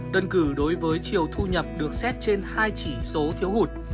đơn cử đối với chiều thu nhập được xét trên hai chỉ số thiếu hụt